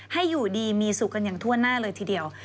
ให้อยู่ดีมีสุขกันอย่างทั่วหน้าเลยทีเดียว